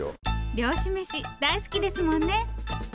漁師メシ大好きですもんね。